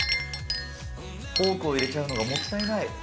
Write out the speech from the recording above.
フォークを入れちゃうのがもったいない。